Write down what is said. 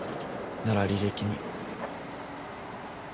なら履歴に。